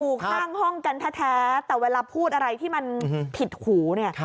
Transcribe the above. อยู่ข้างห้องกันแท้แต่เวลาพูดอะไรที่มันผิดหูเนี่ย